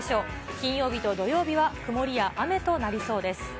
金曜日と土曜日は、曇りや雨となりそうです。